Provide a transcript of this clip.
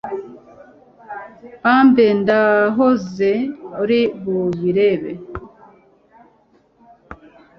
Bambe ndahoze uri bubirebe